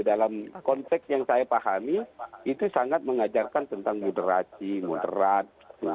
dalam konteks yang saya pahami itu sangat mengajarkan tentang moderasi moderat